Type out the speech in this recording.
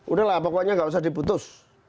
udah lah pokoknya nggak usah diputus